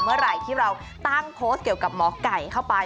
เมื่อไหร่ที่เราตั้งโพสต์เกี่ยวกับหมอไก่เข้าไป